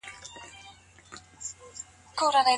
ايا په نکاح کي د ښځي خبره معتبره ده؟